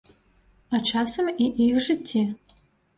А часам і іх жыцці.